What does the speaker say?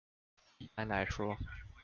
一般來說